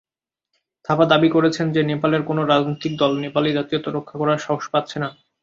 থাপা দাবি করেছেন যে নেপালের কোনও রাজনৈতিক দল নেপালি জাতীয়তা রক্ষা করার সাহস পাচ্ছে না।